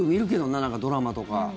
なんかドラマとか。